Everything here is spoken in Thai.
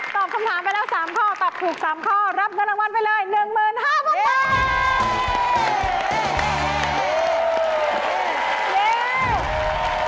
ตอบคำถามไปแล้ว๓ข้อตอบถูก๓ข้อรับเงินรางวัลไปเลย๑๕๐๐๐บาท